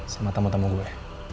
sama tamu tamu gue